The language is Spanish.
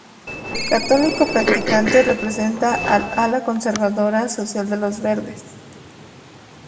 Católico practicante, representa al ala conservadora social de los Verdes.